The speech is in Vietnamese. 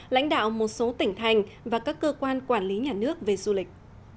lãnh đạo một số tỉnh thành và các cơ quan quản lý nhà nước về du lịch